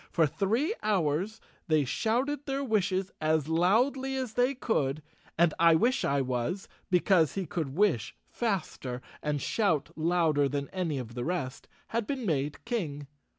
For three hours they shouted their wishes as loudly as they could, and I wish I was, be¬ cause he could wish faster and shout louder than any of the rest, had been made king.